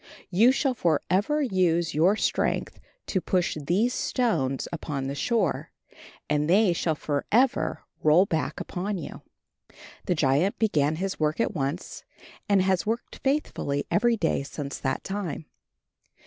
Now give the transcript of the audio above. You shall forever use your strength to push these stones upon the shore, and they shall forever roll back upon you." The giant began his work at once, and has worked faithfully every day since that time.